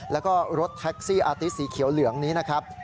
แล้วก็รถแท็กซี่อาติสีเขียวเหลืองนี้นะครับ